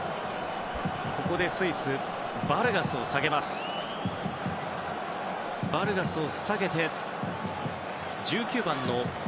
ここでスイスはバルガスを下げます。